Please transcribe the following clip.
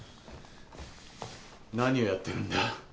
何をやってるんだ？